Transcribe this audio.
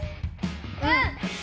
うん！